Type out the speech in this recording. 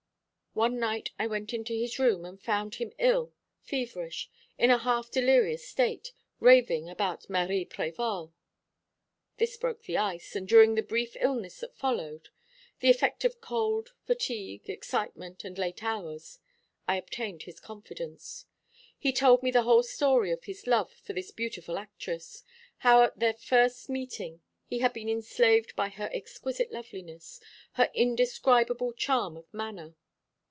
One night I went into his room and found him ill, feverish, in a half delirious state, raving about Marie Prévol. This broke the ice, and during the brief illness that followed the effect of cold, fatigue, excitement, and late hours I obtained his confidence. He told me the whole story of his love for this beautiful actress; how at their first meeting he had been enslaved by her exquisite loveliness, her indescribable charm of manner.